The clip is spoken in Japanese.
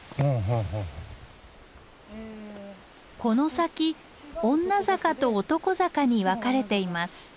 この先女坂と男坂に分かれています。